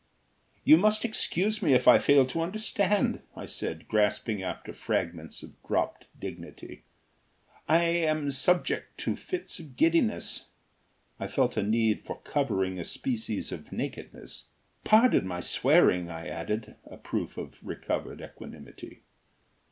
"You must excuse me if I fail to understand," I said, grasping after fragments of dropped dignity. "I am subject to fits of giddiness." I felt a need for covering a species of nakedness. "Pardon my swearing," I added; a proof of recovered equanimity.